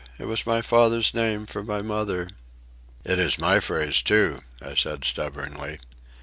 It was my father's name for my mother." "It is my phrase too," I said stubbornly.